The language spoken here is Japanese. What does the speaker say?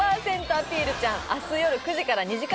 アピルちゃん」明日よる９時から２時間